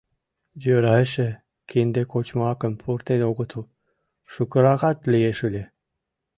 Йӧра эше, кинде кочмо акым пуртен огытыл, шукыракат лиеш ыле...